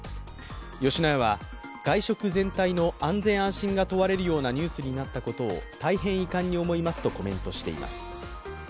吉野家は外食全体の安心・安全が問われるようなニュースになったことを大変遺憾に思いますとコメントしています。